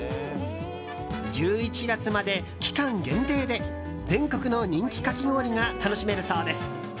１１月まで期間限定で全国の人気かき氷が楽しめるそうです。